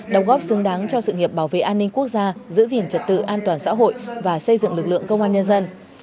đồng góp xứng đáng cho sự nghiệp bảo vệ an ninh quốc gia giữ gìn trật tự an toàn xã hội và xây dựng lực lượng công an nhân dân